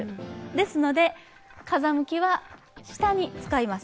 ですので風向きは下に使います。